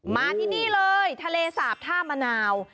มาที่นี่เลยทะเลสาบท่ามะนาว